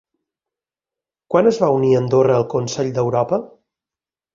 Quan es va unir Andorra al Consell d'Europa?